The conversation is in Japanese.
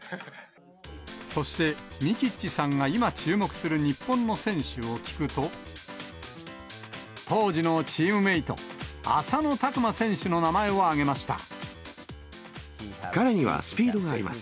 そして、ミキッチさんが今注目する日本の選手を聞くと、当時のチームメート、彼にはスピードがあります。